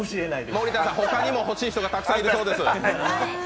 森田さん、ほかにも欲しい人がたくさんいるそうです。